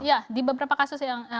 ya di beberapa kasus yang